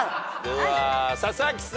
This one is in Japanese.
では佐々木さん。